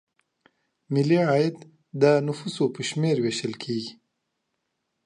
ملي عاید د نفوسو په شمېر ویشل کیږي.